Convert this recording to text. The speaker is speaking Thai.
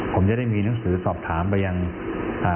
ผมจะได้มีหนังสือสอบถามไปยังอ่า